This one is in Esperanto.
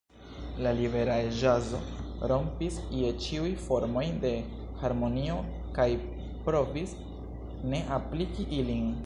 La libera ĵazo rompis je ĉiuj formoj de harmonio kaj provis ne apliki ilin.